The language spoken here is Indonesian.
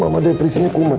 mama depresinya kumat